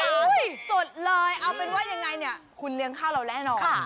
สดเลยเอาเป็นว่ายังไงเนี่ยคุณเลี้ยงข้าวเราแน่นอน